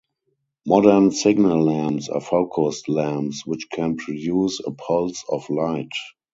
Modern signal lamps are focused lamps which can produce a pulse of light.